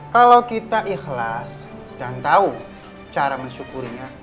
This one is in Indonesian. kalau kita ikhlas dan tahu cara mensyukurinya